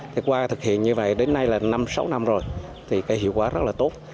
thì qua thực hiện như vậy đến nay là năm sáu năm rồi thì cái hiệu quả rất là tốt